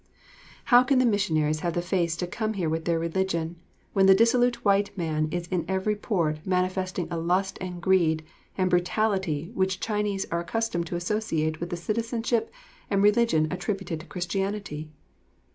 How can the missionaries have the face to come here with their religion, when the dissolute white man is in every port manifesting a lust and greed and brutality which Chinese are accustomed to associate with the citizenship and religion attributed to Christianity.